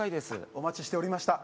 お待ちしておりました